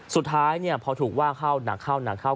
สุดท้ายเนี่ยพอถูกว่าเข้าหนักเข้า